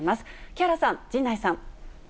木原さん、陣内さん。